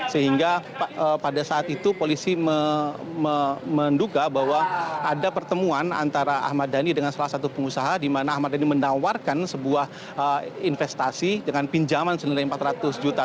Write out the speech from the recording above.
sehingga pada saat itu polisi menduga bahwa ada pertemuan antara ahmad dhani dengan salah satu pengusaha di mana ahmad dhani menawarkan sebuah investasi dengan pinjaman senilai empat ratus juta